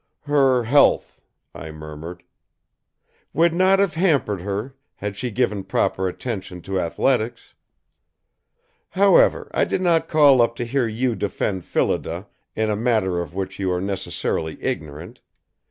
"Her health " I murmured. "Would not have hampered her had she given proper attention to athletics! However, I did not call up to hear you defend Phillida in a matter of which you are necessarily ignorant.